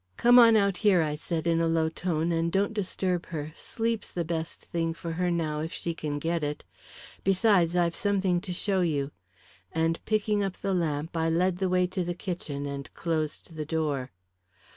"Come on out here," I said in a low tone, "and don't disturb her. Sleep's the best thing for her now, if she can get it. Besides, I've something to show you," and picking up the lamp, I led the way to the kitchen and closed the door.